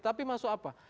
tapi masuk apa